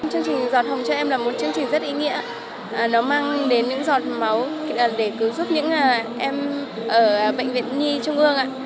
chương trình giọt hồng cho em là một chương trình rất ý nghĩa nó mang đến những giọt máu để cứu giúp những em ở bệnh viện nhi trung ương